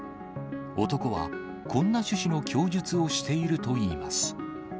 男はこんな趣旨の供述をしているといいます。